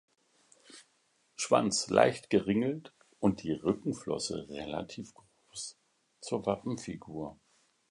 Schwanz leicht geringelt und die Rückenflosse relativ groß zur Wappenfigur.